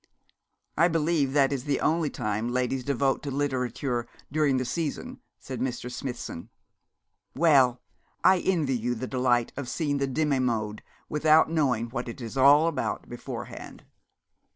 'I believe that is the only time ladies devote to literature during the season,' said Mr. Smithson. 'Well, I envy you the delight of seeing the Demi monde without knowing what it is all about beforehand.'